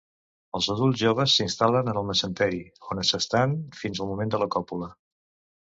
Els adults joves s’instal·len en el mesenteri, on s’estan fins al moment de la còpula.